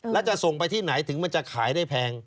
แล้วจะส่งไปที่ไหนถึงมันจะขายได้แพง